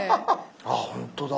あっほんとだ。